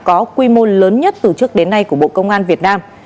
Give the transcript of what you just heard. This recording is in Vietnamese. có quy mô lớn nhất từ trước đến nay của bộ công an việt nam